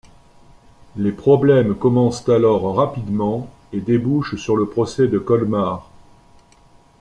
Les problèmes commencent alors rapidement et débouchent sur le procès de Colmar.